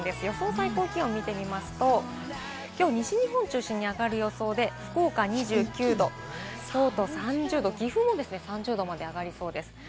最高気温を見てみますと、今日は西日本中心に上がる予想で、福岡２９度、京都３０度、岐阜も３０度まで上がりそうです。